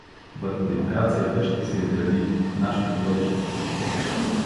Върху демокрацията ще се изгради; нашето бъдеще.